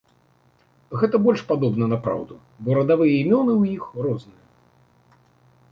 Гэта больш падобна на праўду, бо радавыя імёны ў іх розныя.